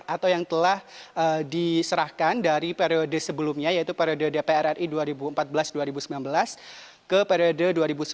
atau yang telah diserahkan dari periode sebelumnya yaitu periode dpr ri dua ribu empat belas dua ribu sembilan belas ke periode dua ribu sembilan belas dua ribu sembilan